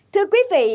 thưa quý vị